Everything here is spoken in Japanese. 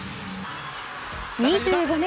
２５年